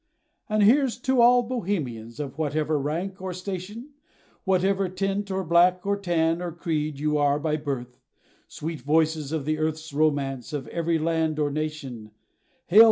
And here's to all Bohemians, of whatever rank, or station, Whatever tint, or black or tan, or creed you are by birth, Sweet voices of the earth's romance, of every land, or nation, Hail!